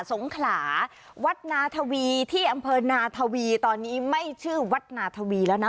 สงขลาวัดนาทวีที่อำเภอนาทวีตอนนี้ไม่ชื่อวัดนาธวีแล้วนะ